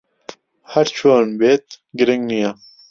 ھەر چۆن بێت، گرنگ نییە.